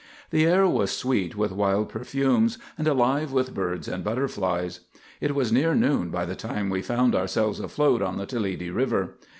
The air was sweet with wild perfumes, and alive with birds and butterflies. It was near noon by the time we found ourselves afloat on the Toledi River.